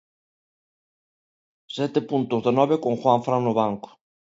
Sete puntos de nove con Juanfran no banco.